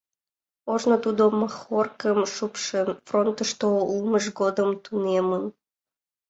Ожно тудо махоркым шупшын, фронтышто улмыж годым тунемын.